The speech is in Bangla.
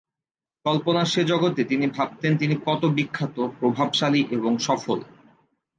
কল্পনার সে জগতে তিনি ভাবতেন তিনি কত বিখ্যাত, প্রভাবশালী এবং সফল।